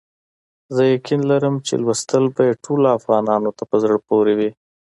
زه یقین لرم چې لوستل به یې ټولو افغانانو ته په زړه پوري وي.